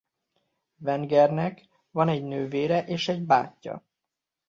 Wengernek van egy nővére és egy bátyja.